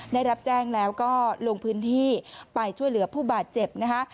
ได้รับแจ้งแล้วก็ลงพื้นที่ไปช่วยเหลือผู้บาดเจ็บนะคะ